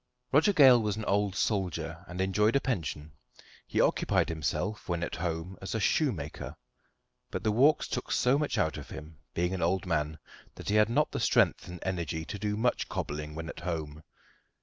Roger Gale was an old soldier, and enjoyed a pension. He occupied himself, when at home, as a shoemaker; but the walks took so much out of him, being an old man, that he had not the strength and energy to do much cobbling when at home.